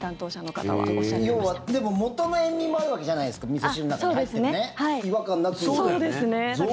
要は、でも元の塩味もあるわけじゃないですかみそ汁の中に入っている違和感なく増幅している感じなの？